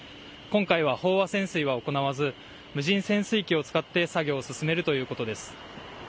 今回は飽和潜水は行わず無人潜水機を使って作業を進めるということです。